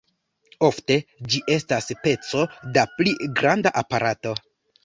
Ofte, ĝi estas peco da pli granda aparato.